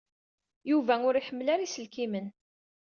Yuba ur iḥemmel ara iselkimen.